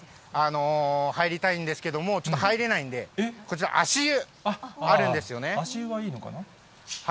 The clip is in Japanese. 入りたいんですけれども、ちょっと入れないんで、こちら、足湯、足湯はいいのかな。